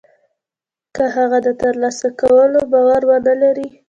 که هغه د تر لاسه کولو باور و نه لري.